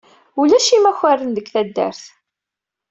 Ulac imakaren deg taddart.